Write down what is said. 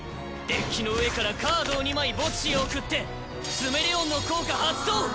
デッキの上からカードを２枚墓地へ送ってツメレオンの効果発動！